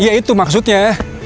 ya itu maksudnya